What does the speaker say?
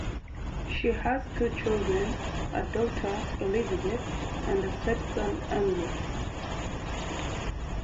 She has two children, a daughter, Elizabeth, and a stepson Andrew.